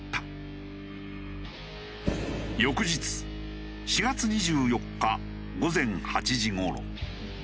翌日４月２４日午前８時頃。